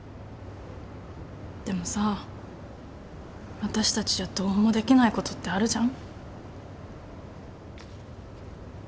でもさ私たちじゃどうもできないことってあるじゃん。